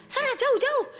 sana jauh jauh